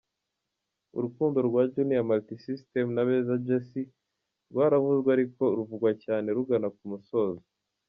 Urukundo rwa Junior Multisystem na Beza Jessy rwaravuzwe ariko ruvugwa cyane rugana ku musozo.